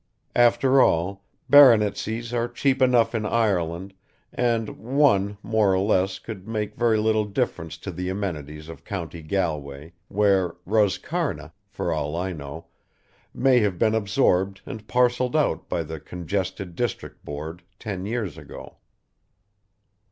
After all, baronetcies are cheap enough in Ireland, and one more or less could make very little difference to the amenities of County Galway, where Roscarna, for all I know, may have been absorbed and parcelled out by the Congested Districts Board ten years ago.